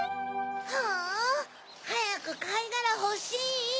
ああはやくかいがらほしい！